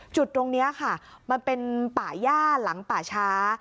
จุดตรงนี้ค่ะมันเป็นป่าย่าหลังป่าช้า